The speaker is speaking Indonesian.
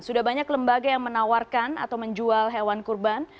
sudah banyak lembaga yang menawarkan atau menjual hewan kurban